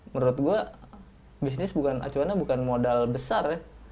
menurut gue bisnis acuan bukan modal besar ya